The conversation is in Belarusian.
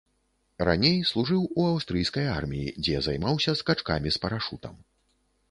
Раней служыў у аўстрыйскай арміі, дзе займаўся скачкамі з парашутам.